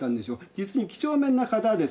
実に几帳面な方です。